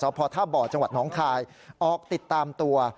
สวัสดิ์พอท่าบ่อจังหวัดหนองคายออกติดตามตัว